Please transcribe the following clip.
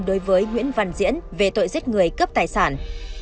đối với nguyễn văn diễn về tội giết người cướp tài sản